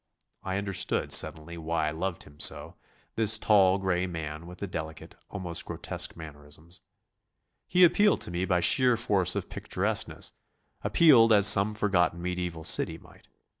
I understood suddenly why I loved him so, this tall, gray man with the delicate, almost grotesque, mannerisms. He appealed to me by sheer force of picturesqueness, appealed as some forgotten mediaeval city might.